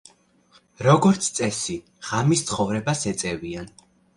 როგორც წესი ღამის ცხოვრებას ეწევიან.